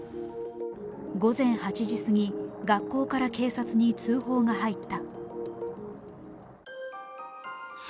午前８時過ぎ、学校から警察に通報が入った。